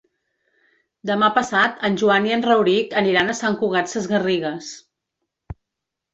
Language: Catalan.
Demà passat en Joan i en Rauric aniran a Sant Cugat Sesgarrigues.